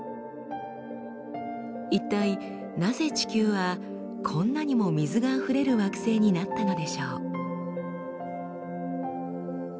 一体なぜ地球はこんなにも水があふれる惑星になったのでしょう？